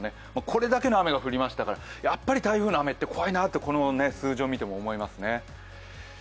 これだけの雨が降りましたから、やっぱり台風の雨って怖いなとこの数字を見ても思いますね。